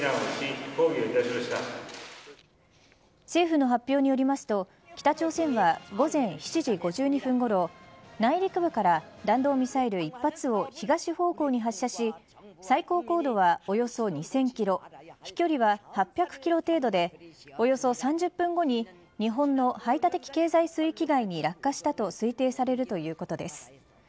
政府の発表によりますと北朝鮮は午前７時５２分ごろ内陸部から弾道ミサイル１発を東方向に発射し最高高度は、およそ２０００キロ飛距離は８００キロ程度でおよそ３０分後に日本の排他的経済水域外に落下したと推定されるということです。